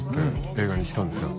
映画にしたんですけど。